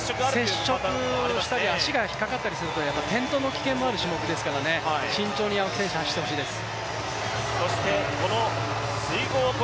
接触したり、足がひっかかったりすると、危険のある種目ですからね、慎重に青木選手、走ってほしいです